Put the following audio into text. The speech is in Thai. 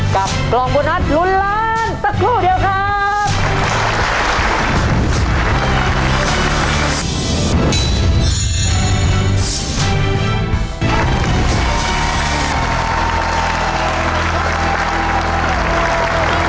กล่องโบนัสลุ้นล้านสักครู่เดียวครับ